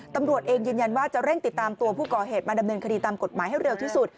ตำรวจเองยืนยันว่าจะเร่งติดตามตัวผู้ก่อเหตุมาดำเนินคดีตามกฎหมายให้เร็วที่สุด